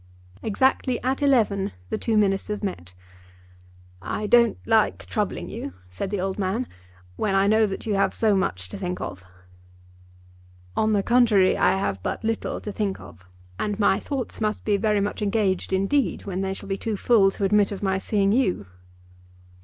Exactly at eleven the two Ministers met. "I don't like troubling you," said the old man, "when I know that you have so much to think of." "On the contrary, I have but little to think of, and my thoughts must be very much engaged, indeed, when they shall be too full to admit of my seeing you."